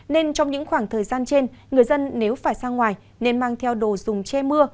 nên trong những khoảng thời gian trên người dân nếu phải ra ngoài nên mang theo đồ dùng che mưa